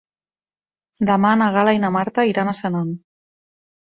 Demà na Gal·la i na Marta iran a Senan.